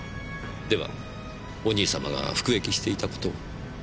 ではお兄様が服役していた事は？